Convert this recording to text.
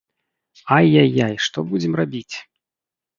Ай-яй-яй, што будзем рабіць?